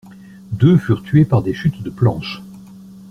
Deux furent tués par des chutes de planches.